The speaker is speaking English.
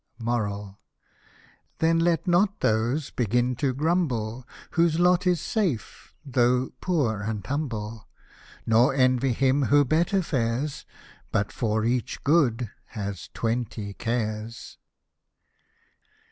Then let not those begin to grumble, Whose lot is safe though poor and humble ; Nor envy him who better fares, But for each good has twenty cares.